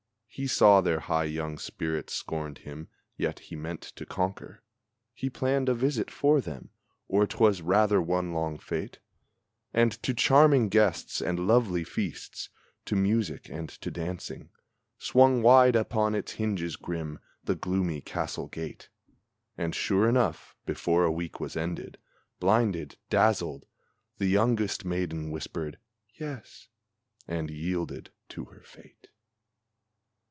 He saw their high young spirits scorned him, yet he meant to conquer. He planned a visit for them, or, 'twas rather one long fête; And to charming guests and lovely feasts, to music and to dancing, Swung wide upon its hinges grim the gloomy castle gate. And, sure enough, before a week was ended, blinded, dazzled, The youngest maiden whispered "yes," and yielded to her fate.